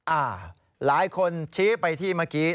อ่าหลายคนชี้ไปที่เมื่อกี้